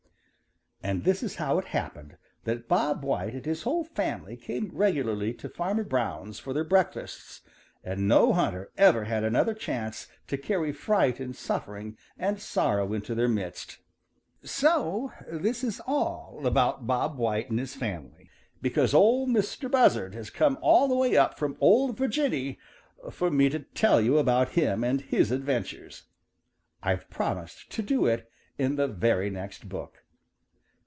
And this is how it happened that Bob White and his whole family came regularly to Farmer Brown's for their breakfasts, and no hunter ever had another chance to carry fright and suffering and sorrow into their midst. So this is all about Bob White and his family because Ol' Mistah Buzzard has come all the way up from Ol' Virginny for me to tell you about him and his adventures. I've promised to do it in the very next book.